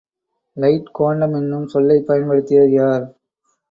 Light quantum என்னும் சொல்லலைப் பயன்படுத்தியது யார்?